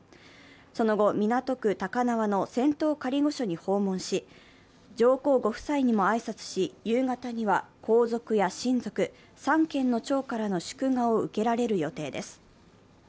その後、港区高輪の仙洞仮御所に訪問し、上皇ご夫妻にも挨拶し、夕方には皇族や親族、三権の長からの祝賀を受けられる予定です。